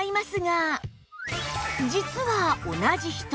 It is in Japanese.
実は同じ人！